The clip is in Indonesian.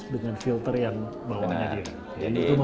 dengan filter yang bawa dia